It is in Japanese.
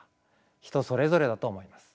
人それぞれだと思います。